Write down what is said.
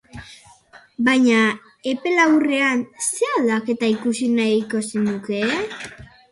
Baina, epe laburrean, ze aldaketa ikusi nahiko zenuke?